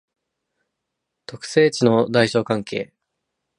特性値の大小関係